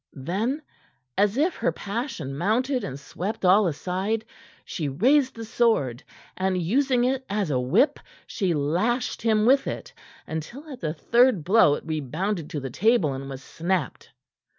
Then, as if her passion mounted and swept all aside, she raised the sword, and using it as a whip, she lashed him with it until at the third blow it rebounded to the table and was snapped.